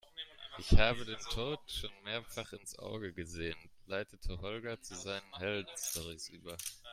"Ich habe dem Tod schon mehrfach ins Auge gesehen", leitete Holger zu seinen Heldenstorys über.